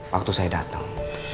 waktu saya datang